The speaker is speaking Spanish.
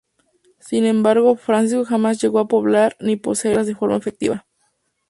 Sin embargo, Francisco jamás llegó a poblar ni poseer estas tierras de forma efectiva.